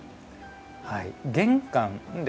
玄関です。